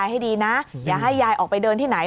ให้ยายออกไปเดินที่ไหน